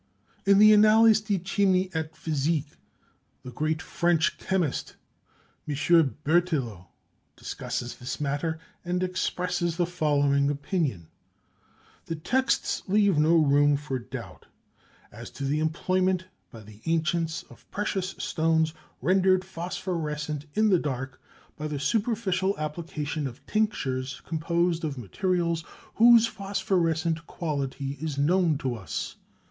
In the Annales de Chimie et Physique, the great French chemist, M. Berthelot, discusses this matter and expresses the following opinion "The texts leave no room for doubt as to the employment by the ancients of precious stones rendered phosphorescent in the dark by the superficial application of tinctures composed of materials whose phosphorescent quality is known to us.